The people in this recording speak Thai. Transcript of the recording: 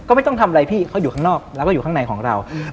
ก็ไม่ต้องทำอะไรพี่เขาอยู่ข้างนอกแล้วก็อยู่ข้างในของเรา